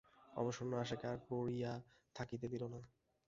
অবসন্ন আশাকে আর পড়িয়া থাকিতে দিল না।